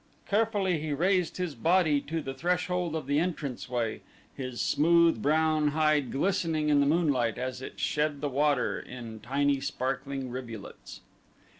Carefully he raised his body to the threshold of the entrance way, his smooth brown hide glistening in the moonlight as it shed the water in tiny sparkling rivulets.